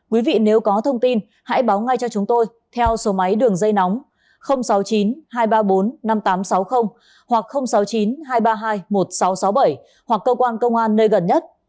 quý vị nếu có thông tin hãy báo ngay cho chúng tôi theo số máy đường dây nóng sáu mươi chín hai trăm ba mươi bốn năm nghìn tám trăm sáu mươi hoặc sáu mươi chín hai trăm ba mươi hai một nghìn sáu trăm sáu mươi bảy hoặc cơ quan công an nơi gần nhất